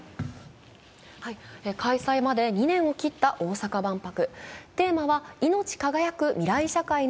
開催まで２年を切った大阪万博。